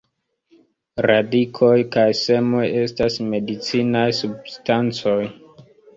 Radikoj kaj semoj estas medicinaj substancoj.